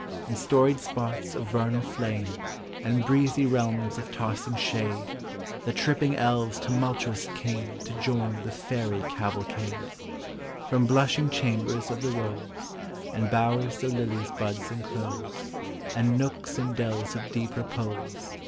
In storied spots of vernal tlame And breezy realms of tossing shade, The tripping elves tumultuous came To join the fairy cavalcade: From blushing chambers of the rose, And bowers the lily's buds enclose, And nooks and dells of deep repose.